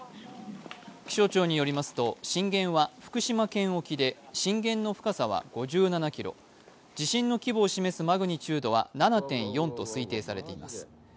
気象庁によりますと、震源は福島県沖で、震源の深さは５７キロ地震の規模を示すマグニチュードは７．４と推定されています。